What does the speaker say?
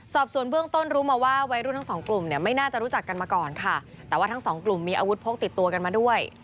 สอบส่วนเบื้องต้นรู้มาว่าวัยรุ่นทั้งสองกลุ่มเนี่ยไม่น่าจะรู้จักกันมาก่อนค่ะแต่ว่าทั้งสองกลุ่มมีอาวุธพกติดตัวกันมาด้วย